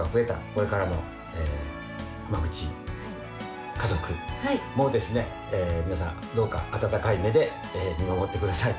これからの濱口家族もですね、皆さん、どうか温かい目で見守ってください。